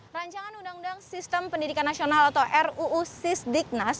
rancangan undang undang sistem pendidikan nasional atau ruu sisdiknas